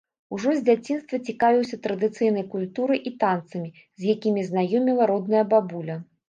Ужо з дзяцінства цікавіўся традыцыйнай культурай і танцамі, з якімі знаёміла родная бабуля.